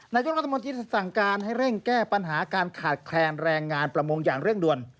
นายกรัฐมนตรีสั่งการให้เร่งแก้ปัญหาการขาดแคลนแรงงานประมงอย่างเร่งด่วน